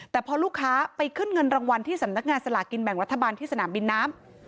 แต่พอลูกค้าไปขึ้นเงินรางวัลที่สำนักงานสลากินแบ่งรัฐบาลที่สนามบินน้ำ